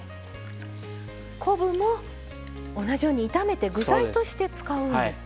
昆布も同じように炒めて具材として使うんですね。